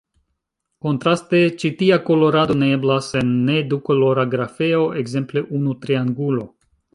Kontraste, ĉi tia kolorado ne eblas en ne-dukolora grafeo, ekzemple unu triangulo.